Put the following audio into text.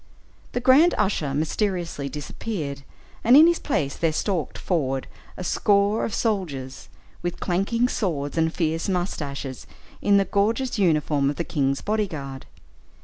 The grand usher mysteriously disappeared, and in his place there stalked forward a score of soldiers, with clanking swords and fierce moustaches, in the gorgeous uniform of the king's body guard.